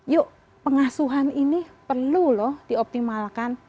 yuk pengasuhan ini perlu loh dioptimalkan